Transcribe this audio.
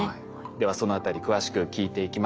ではそのあたり詳しく聞いていきましょう。